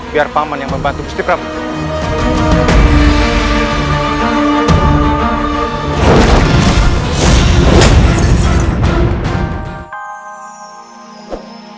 biar paman yang membantu setiap ramah